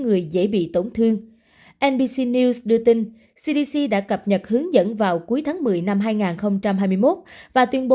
người dễ bị tổn thương nbc news đưa tin cdc đã cập nhật hướng dẫn vào cuối tháng một mươi năm hai nghìn hai mươi một